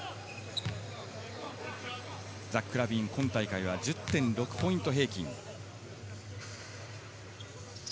ザック・ラビーン、今大会は１０．６ポイント平均。